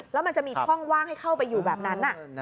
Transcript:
แล้วมันจะมีช่องว่างให้เข้าไปอยู่แบบนั้น